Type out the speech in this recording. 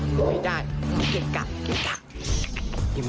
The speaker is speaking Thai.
มันไม่ได้เรามาเกะกะ